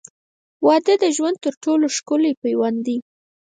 • واده د ژوند تر ټولو ښکلی پیوند دی.